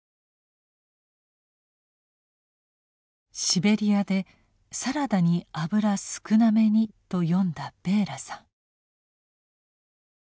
シベリアで「サラダに油少なめに」と詠んだベーラさん。